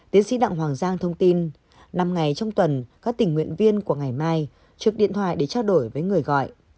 tiến sĩ đặng hoàng giang thông tin năm ngày trong tuần các tình nguyện viên của ngày mai trực điện thoại để trao đổi với người gọi